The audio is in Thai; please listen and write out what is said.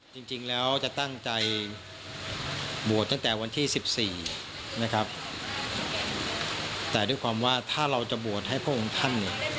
จริงแล้วจะตั้งใจบวชตั้งแต่วันที่๑๔แต่ด้วยความว่าถ้าเราจะบวชให้พวกคุณท่าน